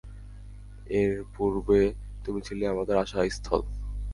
এর পূর্বে তুমি ছিলে আমাদের আশা-স্থল।